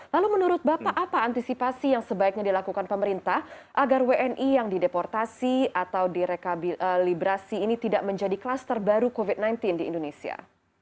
lalu menurut bapak apa antisipasi yang sebaiknya dilakukan pemerintah agar wni yang dideportasi atau direkalibrasi ini tidak menjadi kluster baru covid sembilan belas di indonesia